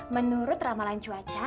menurut ramalan cuaca